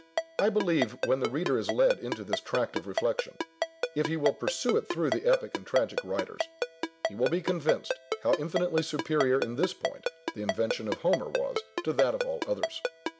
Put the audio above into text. I believe when the reader is led into this tract of reflection, if he will pursue it through the epic and tragic writers, he will be convinced how infinitely superior, in this point, the invention of Homer was to that of all others.